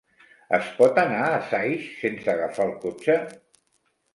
Es pot anar a Saix sense agafar el cotxe?